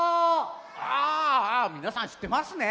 ああみなさんしってますね。